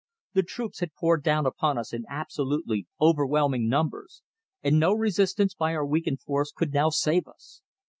The troops had poured down upon us in absolutely overwhelming numbers, and no resistance by our weakened force could now save us.